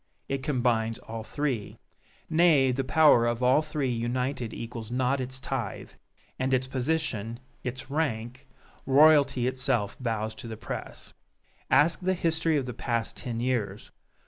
It combines all three. Nay, the power of all three united equals not its tithe; and its position its rank! royalty itself bows to the press! Ask the history of the past ten years.